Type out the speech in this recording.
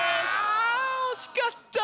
あ惜しかった。